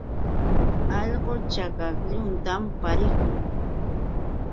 Allqu chakaklluntam pariqun.